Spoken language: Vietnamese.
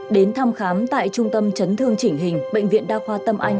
đến thăm khám tại trung tâm chấn thương chỉnh hình bệnh viện đa khoa tâm anh